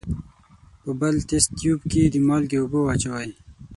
په بل تست تیوب کې د مالګې اوبه واچوئ.